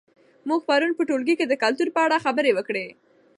موږ پرون په ټولګي کې د کلتور په اړه خبرې وکړې.